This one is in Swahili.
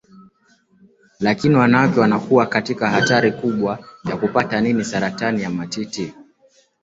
lakini wanawake wanakuwa katika hatari kubwa ya kupata nini saratani ya matiti